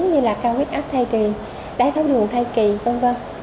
như là cao quyết áp thai kỳ đáy tháo đường thai kỳ v v